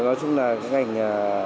nói chung là ngành